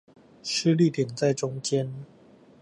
施力點在中間